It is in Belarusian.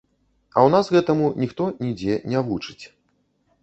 А ў нас гэтаму ніхто нідзе не вучыць.